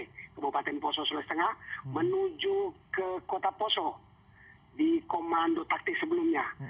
kebupaten poso sule setengah menuju ke kota poso di komando taktis sebelumnya